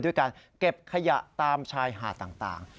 ด้วยการเก็บขยะตามชายหาดต่าง